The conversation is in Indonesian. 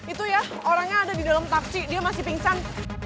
itu ya orangnya ada di dalam taksi dia masih pingsan